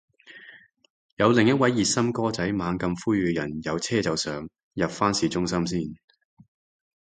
有另一位熱心哥仔猛咁呼籲人有車就上，入返市中心先